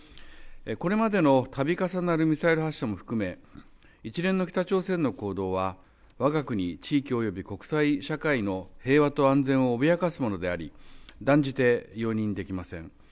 これまでのたび重なるミサイル発射も含め、一連の北朝鮮の行動は、わが国地域および国際社会の平和と安全を脅かすものであり、断じて容認できません。